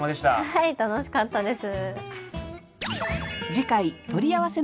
はい楽しかったです。